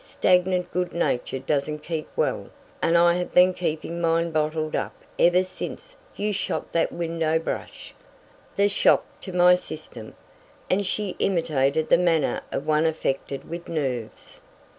"Stagnant good nature doesn't keep well, and I have been keeping mine bottled up ever since you shot that window brush. The shock to my system " and she imitated the manner of one affected with nerves.